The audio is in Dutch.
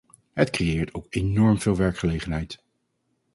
Het creëert ook enorm veel werkgelegenheid.